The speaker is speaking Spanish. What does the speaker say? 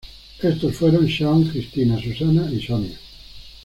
Estos fueron Shaun, Cristina, Susana y Sonia.